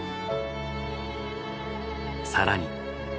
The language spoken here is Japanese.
更に。